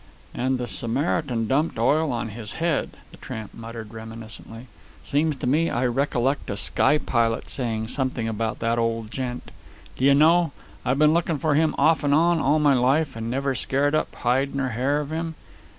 "And the Samaritan dumped oil on his head," the tramp muttered reminiscently. "Seems to me I recollect a sky pilot sayin' something about that old gent. D'ye know, I've been looking for him off 'n on all my life, and never scared up hide nor hair of him.